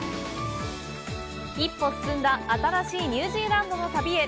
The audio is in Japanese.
一歩進んだ新しいニュージーランドの旅へ。